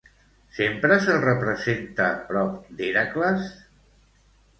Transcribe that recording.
Sempre se'l representa prop d'Hèracles?